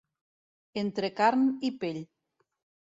Entre carn i pell.